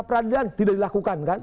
peradilan tidak dilakukan kan